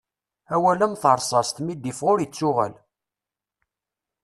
Awal am terṣast mi d-iffeɣ ur ittuɣal.